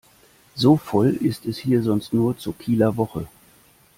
So voll ist es hier sonst nur zur Kieler Woche.